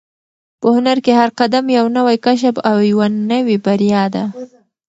په هنر کې هر قدم یو نوی کشف او یوه نوې بریا ده.